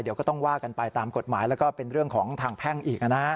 เดี๋ยวก็ต้องว่ากันไปตามกฎหมายแล้วก็เป็นเรื่องของทางแพ่งอีก